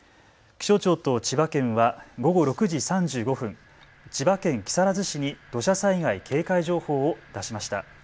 気象庁と千葉県は午後６時３５分、千葉県木更津市に土砂災害警戒情報を出しました。